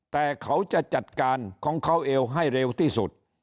แต่เขาจะจัดการของเขาเองให้เร็วที่สุด